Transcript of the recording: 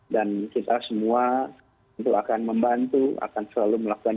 dan kita semua tentu akan membantu akan selalu melakukan ini